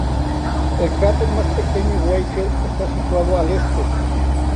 El cráter más pequeño Weigel está situado al este.